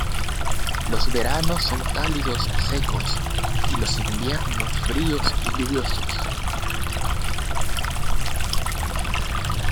Los veranos son cálidos y secos, y los inviernos fríos y lluviosos.